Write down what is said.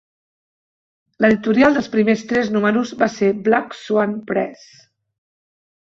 L'editorial dels primers tres números va ser Black Swan Press.